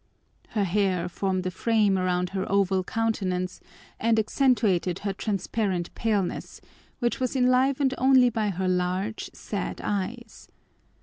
Her hair formed a frame around her oval countenance and accentuated her transparent paleness, which was enlivened only by her large, sad eyes.